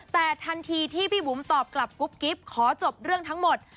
แต่ทันทีที่พี่บุ๋มตอบกลับกุ๊บกิ๊บขอจบเรื่องทั้งหมด